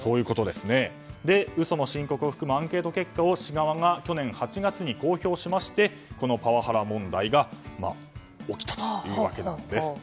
嘘の申告を含むアンケート結果を市側が去年８月に公表しまして、パワハラ問題が起きたというわけです。